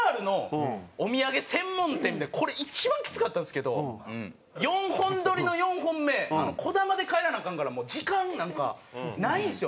これ一番きつかったんですけど４本撮りの４本目こだまで帰らなアカンからもう時間なんかないんですよ。